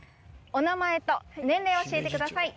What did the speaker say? お名前と年齢を教えてください。